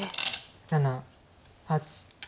７８。